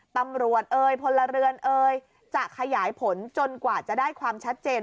เอ่ยพลเรือนเอยจะขยายผลจนกว่าจะได้ความชัดเจน